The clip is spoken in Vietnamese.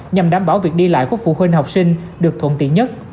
nhằm đảm bảo việc đi lại của phụ huynh học sinh được thuận tiện nhất